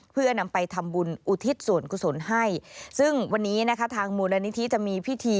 เพื่อนำไปทำบุญอุทิศสวนกุศลให้